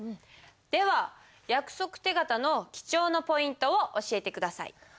では約束手形の記帳のポイントを教えて下さい。